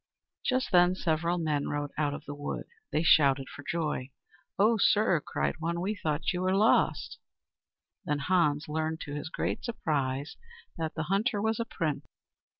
Just then several men rode out of the wood. They shouted for joy. "Oh, sir!" cried one, "we thought you were lost." Then Hans learned to his great surprise that the hunter was a Prince.